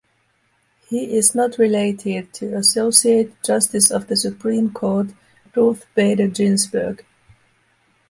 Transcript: He is not related to Associate Justice of the Supreme Court Ruth Bader Ginsburg.